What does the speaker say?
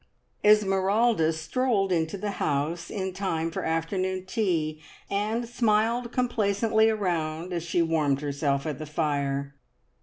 Esmeralda strolled into the house in time for afternoon tea, and smiled complacently around as she warmed herself at the fire.